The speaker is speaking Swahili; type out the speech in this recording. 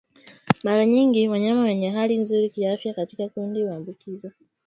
Mara nyingi wanyama wenye hali nzuri kiafya katika kundi huambukizwa